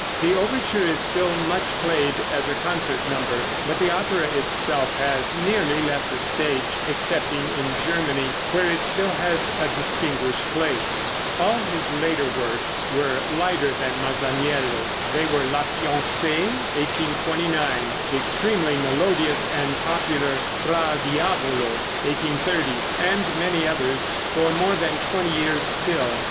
The overture is still much played as a concert number, but the opera itself has nearly left the stage, excepting in Germany, where it still has a distinguished place. All his later works were lighter than "Masaniello." They were "La Fiancée" (1829), the extremely melodious and popular "Fra Diavolo" (1830) and many others, for more than twenty years still.